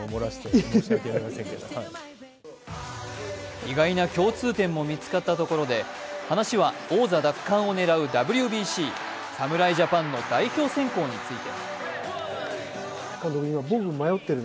意外な共通点も見つかったところで、話は王座奪還を狙うＷＢＣ侍ジャパンの代表選考について。